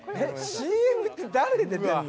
ＣＭって誰出てんの？